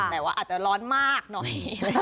แต่ว่าอาจจะร้อนมากหน่อย